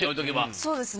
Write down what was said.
そうですね。